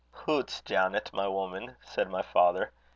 "'Hoots! Janet, my woman!' said my father.